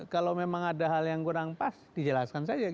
kalau memang ada hal yang kurang pas dijelaskan saja